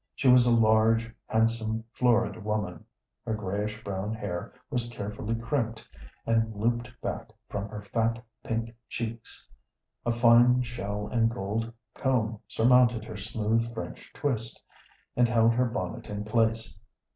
She was a large, handsome, florid woman. Her grayish brown hair was carefully crimped, and looped back from her fat, pink cheeks, a fine shell and gold comb surmounted her smooth French twist, and held her bonnet in place.